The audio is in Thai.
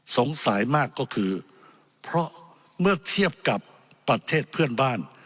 สงสัยมากก็คือเพราะเมื่อเทียบกับประเทศเพื่อนบ้าน